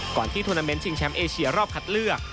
ที่ทวนาเมนต์ชิงแชมป์เอเชียรอบคัดเลือก